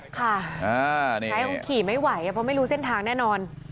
ใช้คงขี่ไม่ไหวเพราะไม่รู้เส้นทางแน่นอน